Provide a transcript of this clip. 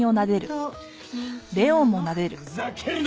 ふざけるな！